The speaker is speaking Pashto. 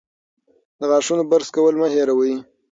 د غاښونو برس کول مه هېروئ.